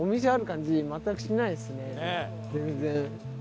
全然。